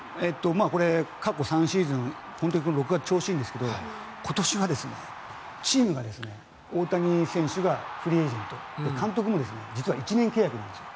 これ、過去３シーズン６月が調子いいんですけど今年はチームが大谷選手がフリーエージェント監督も実は１年契約なんです。